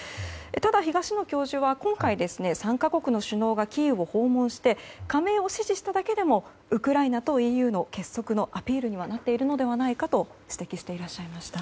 ただ、東野教授は今回、３か国の首脳がキーウを訪問して加盟を支持しただけでもウクライナとＥＵの結束のアピールにはなっているのではないかと指摘していらっしゃいました。